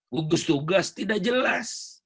tugas tugas tidak jelas